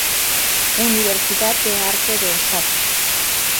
Universidad de Arte de Osaka